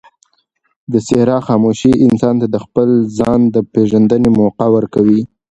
د صحرا خاموشي انسان ته د خپل ځان د پېژندنې موقع ورکوي.